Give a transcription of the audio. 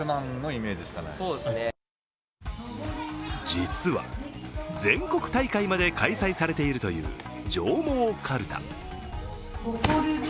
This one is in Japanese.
実は、全国大会まで開催されているという上毛かるた。